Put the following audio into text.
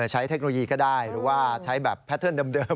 เทคโนโลยีก็ได้หรือว่าใช้แบบแพทเทิร์นเดิม